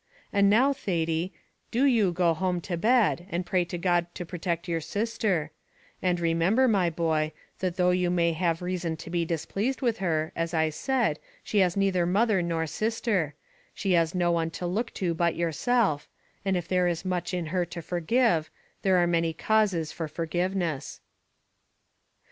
And now, Thady, do you go home to bed, and pray to God to protect your sister; and, remember, my boy, that though you may have reason to be displeased with her, as I said, she has neither mother nor sister; she has no one to look to but yourself, and if there is much in her to forgive, there are many causes for forgiveness."